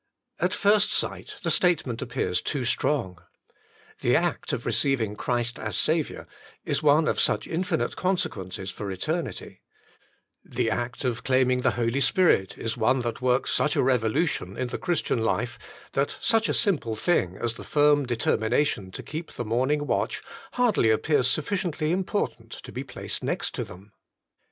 At first sight the statement appears too strong. The act of receiving Christ as Saviour is one of such infinite consequences for eternity, the act of claiming the Holy Spirit is one that works such a revolution in the Christian life, that such a simple thing as the firm determination to keep the morning watch hardly appears sufficiently important to be placed next to them.